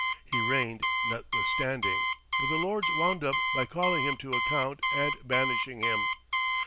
He reigned, notwithstanding; but the Lords wound up by calling him to account and banishing him.